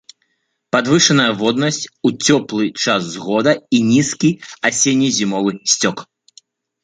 Падвышаная воднасць у цёплы час года і нізкі асенне-зімовы сцёк.